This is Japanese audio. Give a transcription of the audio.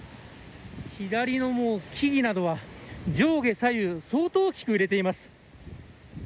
左の木々などは上下左右相当大きく揺れています。